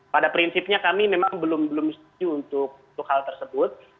pada prinsipnya kami memang belum setuju untuk hal tersebut